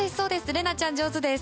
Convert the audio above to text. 怜奈ちゃん上手です。